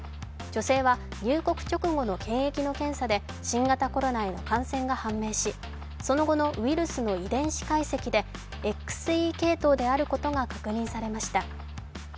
女性は入国直後の検疫の検査で新型コロナへの感染が判明し、その後のウイルスの遺伝子解析でＸＥ系統であることが確認されました。